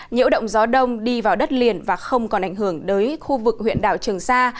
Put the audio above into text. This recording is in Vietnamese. nhiễu động gió đông đi vào đất liền và không còn ảnh hưởng đến khu vực huyện đảo trường sa